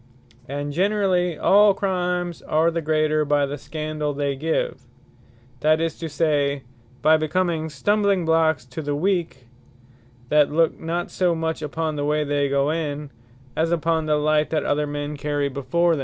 And generally all Crimes are the greater, by the scandall they give; that is to say, by becoming stumbling blocks to the weak, that look not so much upon the way they go in, as upon the light that other men carry before them.